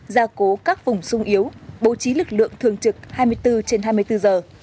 gia cố các vùng sung yếu bố trí lực lượng thường trực hai mươi bốn trên hai mươi bốn giờ